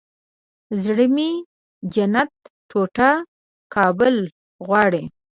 زړه مې جنت ټوټه کابل غواړي